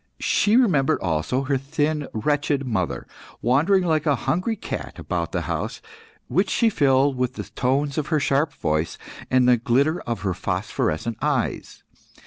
She remembered also her thin, wretched mother, wandering like a hungry cat about the house, which she filled with the tones of her sharp voice, and the glitter of her phosphorescent eyes.